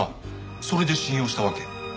それで信用したわけ。